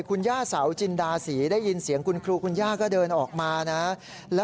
คุณย่าเสาจินดาศรีได้ยินเสียงคุณครูคุณย่าก็เดินออกมานะ